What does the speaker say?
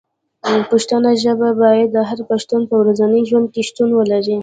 پښتو ژبه باید د هر پښتون په ورځني ژوند کې شتون ولري.